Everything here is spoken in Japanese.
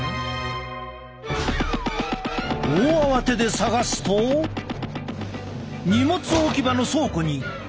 大慌てで探すと荷物置き場の倉庫に小箱が一つ。